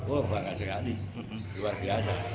oh bangga sekali luar biasa